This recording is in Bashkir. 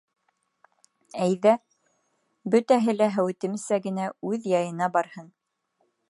Әйҙә, бөтәһе лә һәүетемсә генә үҙ яйына барһын.